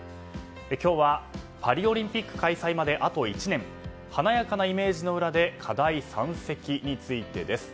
今日は、パリオリンピック開催まであと１年華やかなイメージの裏で課題山積についてです。